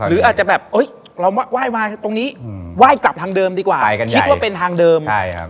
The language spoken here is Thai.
หรืออาจจะแบบเอ้ยเราไหว้มาตรงนี้ไหว้กลับทางเดิมดีกว่าคิดว่าเป็นทางเดิมใช่ครับ